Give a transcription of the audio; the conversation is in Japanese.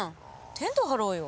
テント張ろうよ。